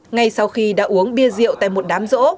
ngay sau khi đã uống bia rượu tại một đám rỗ